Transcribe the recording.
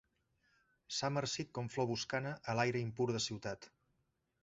S'ha marcit com flor boscana, a l'aire impur de ciutat.